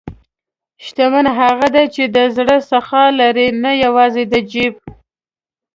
شتمن هغه دی چې د زړه سخا لري، نه یوازې د جیب.